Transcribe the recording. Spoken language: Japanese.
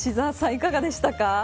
いかがでしたか。